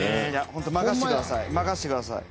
ほんと任せてください。